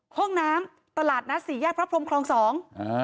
ห้องน้ำตลาดนัดสี่แยกพระพรมคลองสองอ่า